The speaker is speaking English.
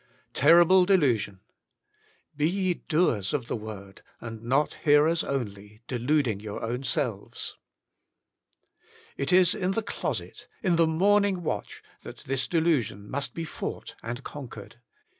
Terrible delusion! ^^Be ye doers of the word, and not hearers only, deluding your own selves." It is in the closet, in the morning watch, that this delusion must be fought and conquered.